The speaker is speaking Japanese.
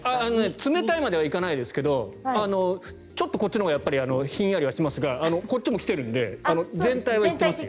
冷たいまではいかないですけどちょっとこっちのほうがひんやりしますがこっちも来てるので全体行ってますよ。